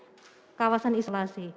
sebagai kawasan isolasi